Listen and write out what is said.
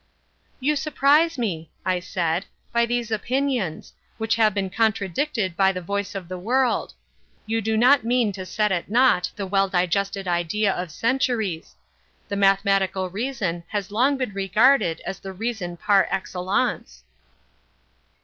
"You surprise me," I said, "by these opinions, which have been contradicted by the voice of the world. You do not mean to set at naught the well digested idea of centuries. The mathematical reason has long been regarded as the reason par excellence."